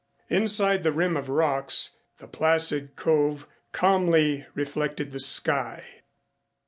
Inside the rim of rocks the placid cove calmly reflected the sky.